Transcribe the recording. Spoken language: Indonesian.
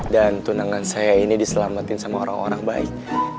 dan tunangan saya ini diselamatin sama orang orang baik